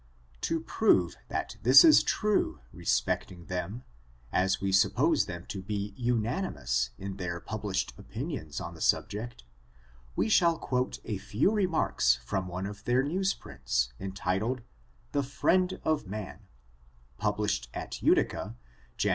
To prove that this is true respecting them, as we suppose them to be unanimous in their published opinions on the subject, we shall quote a few remarks from one of their news prints, entitled, " The Friend of Man^^ published at Utica, Jan.